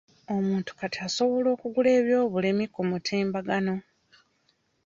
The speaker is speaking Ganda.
Omuntu kati asobola okugula ebyobulimi ku mutimbagano.